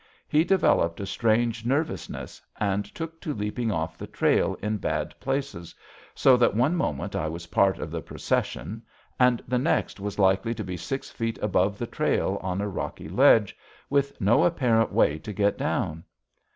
He developed a strange nervousness, and took to leaping off the trail in bad places, so that one moment I was a part of the procession and the next was likely to be six feet above the trail on a rocky ledge, with no apparent way to get down.